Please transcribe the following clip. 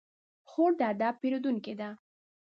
خور د ادب پېرودونکې ده.